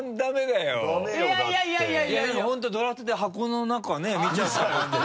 でも本当ドラフトで箱の中ね見ちゃった感じ。